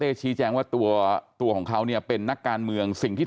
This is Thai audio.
ชี้แจงว่าตัวตัวของเขาเนี่ยเป็นนักการเมืองสิ่งที่